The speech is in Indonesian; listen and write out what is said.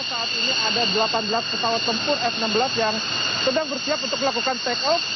saat ini ada delapan belas pesawat tempur f enam belas yang sedang bersiap untuk melakukan take off